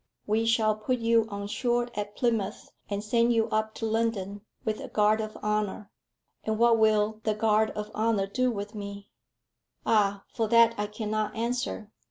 "We shall put you on shore at Plymouth, and send you up to London with a guard of honour." "And what will the guard of honour do with me?" "Ah! for that I cannot answer.